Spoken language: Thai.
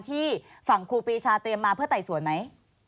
ที่ฝั่งครูปีชาเตรียมมาเพื่อไต่สวนไหม